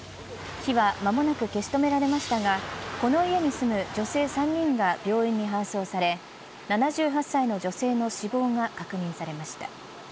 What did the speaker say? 火は間もなく消し止められましたがこの家に住む女性３人が病院に搬送され７８歳の女性の死亡が確認されました。